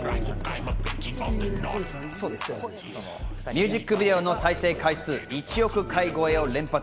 ミュージックビデオの再生回数、１億回越えを連発。